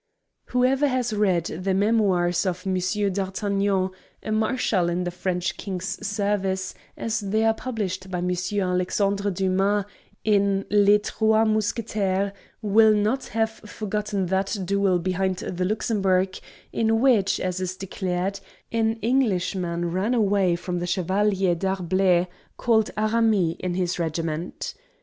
Whoever has read the "Memoirs of Monsieur d'Artagnan"—a Marshal in the French King's service—as they are published by Monsieur Alexandre Dumas in "Les Trois Mousquetaires," will not have forgotten that duel behind the Luxembourg, in which, as is declared, an Englishman ran away from the Chevalier d'Herblay, called Aramis in his regiment.